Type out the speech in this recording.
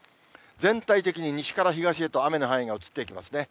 全体的に西から東へと雨の範囲が移っていきますね。